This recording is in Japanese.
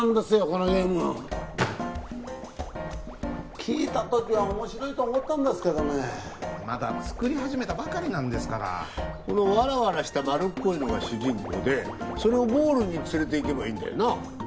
このゲーム聞いた時は面白いと思ったんですけどねまだ作り始めたばかりなんですからこのわらわらした丸っこいのが主人公でそれをゴールに連れていけばいいんだよな？